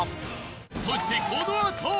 そしてこのあと！